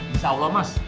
insya allah mas